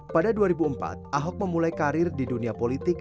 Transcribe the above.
pada dua ribu empat ahok memulai karir di dunia politik